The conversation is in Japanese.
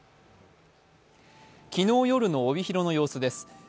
昨日夜の帯広の様子です。